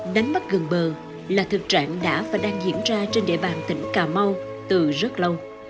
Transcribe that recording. đánh bắt gần bờ là thực trạng đã và đang diễn ra trên địa bàn tỉnh cà mau từ rất lâu